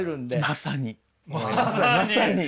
まさに。